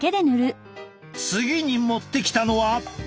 次に持ってきたのは。